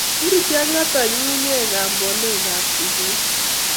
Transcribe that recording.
buruchi Agatha nyung'unyek ak mboleekab sikeik